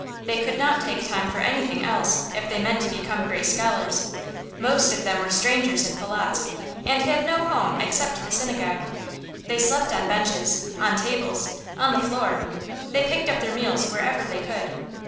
They could not take time for anything else, if they meant to become great scholars. Most of them were strangers in Polotzk, and had no home except the synagogue. They slept on benches, on tables, on the floor; they picked up their meals wherever they could.